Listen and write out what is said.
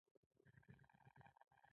ما د مستریانو له ډلګۍ مشره پوښتنه وکړه.